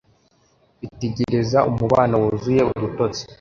Bitegereza umubano wuzuye udutotsi